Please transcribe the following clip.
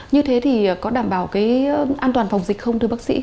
như thế thì có đảm bảo cái an toàn phòng dịch không thưa bác sĩ